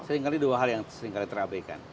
seringkali dua hal yang seringkali terabaikan